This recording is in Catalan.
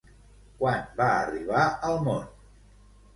Quan va arribar al món?